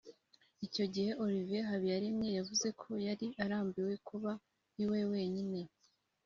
Icyo gihe Olivier Habiyaremye yavuze ko yari arambiwe kuba iwe wenyine